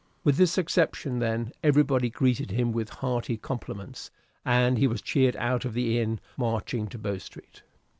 With this exception, then, everybody greeted him with hearty compliments, and he was cheered out of the inn, marching to Bow Street.